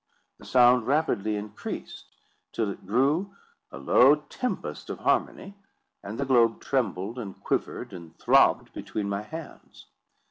The sound rapidly increased, till it grew a low tempest of harmony, and the globe trembled, and quivered, and throbbed between my hands.